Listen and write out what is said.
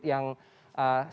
yang sejauh ini